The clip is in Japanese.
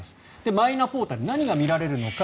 マイナポータル何が見られるのか。